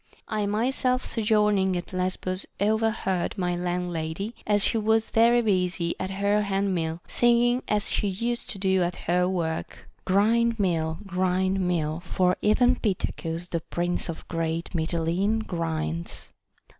1 myself sojourning at Lesbos overheard my landlady, as she was very busy at her hand mill, singing as she used to do at her work, " Grind mill ; grind mill ; for even Pittacus, the prince of great Mitylene, grinds."